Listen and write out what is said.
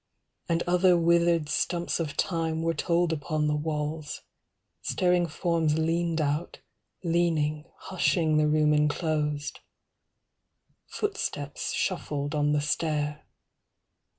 And other withered stumps of time Were told upon the walls; staring forms Leaned out, leaning, hushing the room enclosed. Footsteps shuffled on the stair.